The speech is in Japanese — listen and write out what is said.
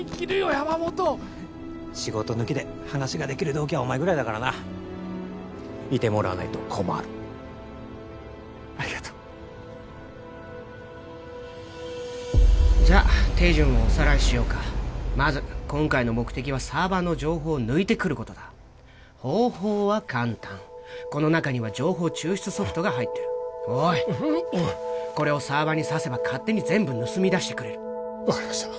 山本仕事抜きで話ができる同期はお前ぐらいだからないてもらわないと困るありがとうじゃ手順をおさらいしようかまず今回の目的はサーバーの情報を抜いてくることだ方法は簡単この中には情報抽出ソフトが入ってるおいこれをサーバーに挿せば勝手に全部盗み出してくれる分かりました